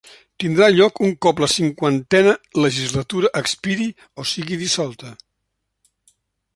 Tindrà lloc un cop la cinquantena legislatura expiri o sigui dissolta.